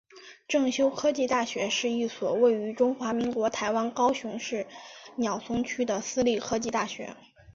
正修科技大学是一所位于中华民国台湾高雄市鸟松区的私立科技大学。